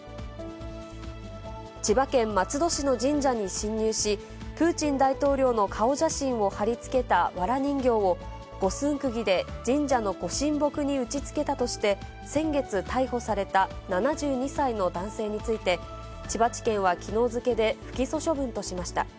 千葉県松戸市の神社に侵入し、プーチン大統領の顔写真を貼り付けたわら人形を、五寸くぎで神社のご神木に打ちつけたとして先月逮捕された７２歳の男性について、千葉地検はきのう付けで不起訴処分としました。